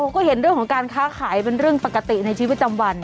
ก็เห็นเรื่องของการค้าขายเป็นเรื่องปกติในชีวิตจำวัน